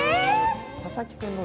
佐々木君も。